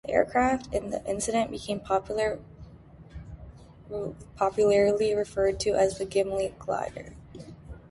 The aircraft in the incident became popularly referred to as the Gimli Glider.